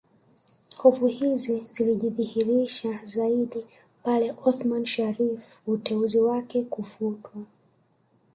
Hofu hizi zilijidhihirisha zaidi pale Othman Sharrif uteuzi wake kufutwa